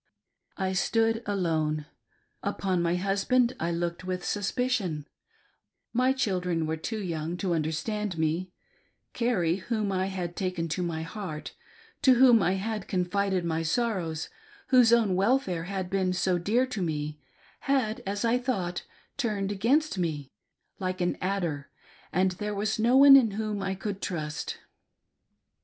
I stood alone. Upon my husband I looked with suspicion ; my children were too young, to under stand me ; Carrie, whom I had taken to my heart, to whom I had confided my sorrows, whose own welfare had been so dear to me, had, as I thought, turned against me, like an adder, and there was no one in whom I could trust.